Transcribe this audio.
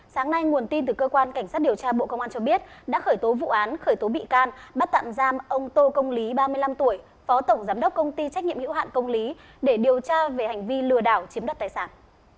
sáng nay nguồn tin từ cơ quan cảnh sát điều tra bộ công an cho biết đã khởi tố vụ án khởi tố bị can bắt tạm giam ông tô công lý ba mươi năm tuổi phó tổng giám đốc công ty trách nhiệm hữu hạn công lý để điều tra về hành vi lừa đảo chiếm đất tài sản